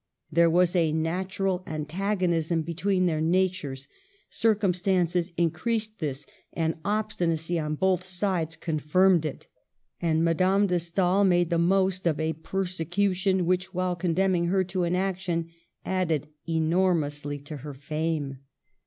There was a natural antagonism be tween their natures — circumstances increased this, and obstinacy on both sides confirmed it — and Madame de Stael made the most of a perse cution which, while condemning her to inaction, added enormously to her fame.